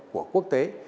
của quốc tế